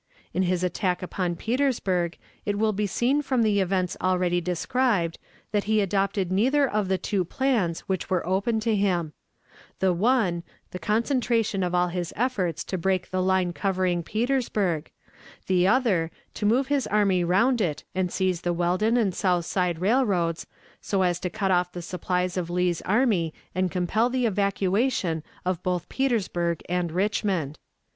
In his attack upon Petersburg it will be seen from the events already described that he adopted neither of the two plans which were open to him: the one, the concentration of all his efforts to break the line covering Petersburg; the other, to move his army round it and seize the Weldon and Southside Railroads, so as to cut off the supplies of Lee's army and compel the evacuation of both Petersburg and Richmond.